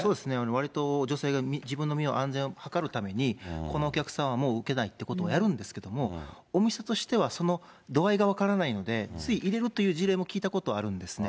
わりと女性が自分の身の安全を図るために、このお客さんはもう受けないということをやるんですけれども、お店としてはその度合いが分からないので、つい入れるという事例も聞いたことはあるんですね。